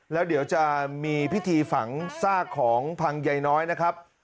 แล้วเดี๋ยวจะมีพิธีฝังซากของพังใยน้อยนะครับ